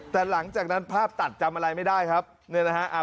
แต่หลังจากนั้นภาพตัดจำอะไรไม่ได้ครับเนี่ยนะฮะ